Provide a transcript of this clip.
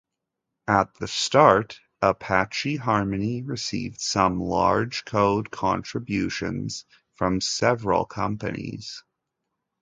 At the start, Apache Harmony received some large code contributions from several companies.